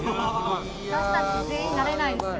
私たち全員なれないですよ